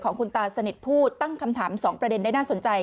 ของคุณตาสนิทพูดตั้งคำถาม๒ประเด็นได้น่าสนใจ